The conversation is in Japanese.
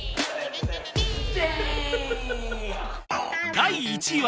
第１位は